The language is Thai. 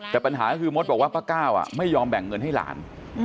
แต่ปัญหาก็คือมดบอกว่าป้าก้าวไม่ยอมแบ่งเงินให้หลาน